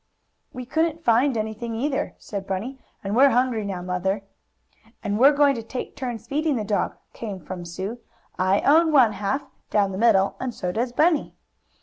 "We couldn't find anything, either," said Bunny, "and we're hungry now, Mother." "And we're going to take turns feeding the dog," came from Sue. "I own one half, down the middle, and so does Bunny."